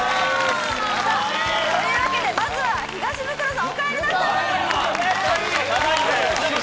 というわけで、まずは東ブクロさん、お帰りなさい。